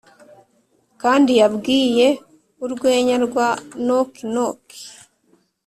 kandi yabwiye urwenya rwa "knock knock".